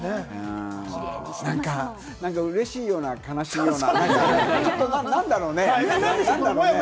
なんかうれしいような悲しいようなね、なんだろうね。